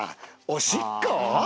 おしっこ？